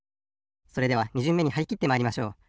それでは２じゅんめにはりきってまいりましょう。